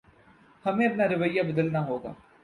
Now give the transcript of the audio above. ہمیں اپنا رویہ بدلنا ہوگا۔